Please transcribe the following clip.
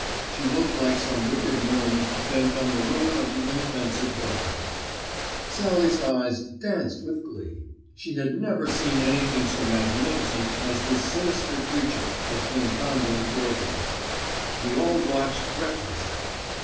She looked like some wicked gnome bent on the ruin of the inoffensive Hilda. Sallie's eyes danced with glee. She had never seen anything so magnificent as this sinister creature that came bounding towards us. We all watched breathlessly.